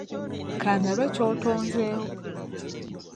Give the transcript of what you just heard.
Kandabe ky'otonzeewo.